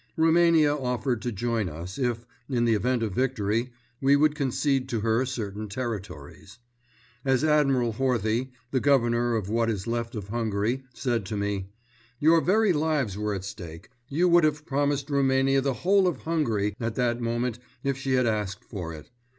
Roumania offered to join us if, in the event of victory, we would concede to her certain territories. As Admiral Horthy, the Governor of what is left of Hungary, said to me, "Your very lives were at stake. You would have promised Roumania the whole of Hungary at that moment if she had asked for it.